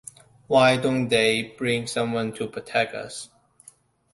Why don’t they bring someone to protect us?.